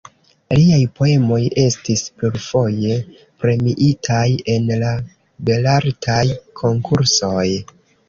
Liaj poemoj estis plurfoje premiitaj en la Belartaj Konkursoj.